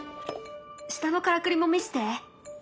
下のからくりも見せて。